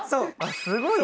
すごいね。